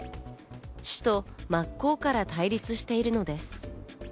市と真っ向から対立しているのです。